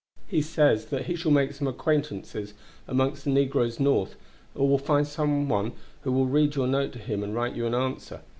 He says that he shall make acquaintances among the negroes North, and will find some one who will read your note to him and write you an answer.